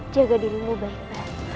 jaga dirimu baik baik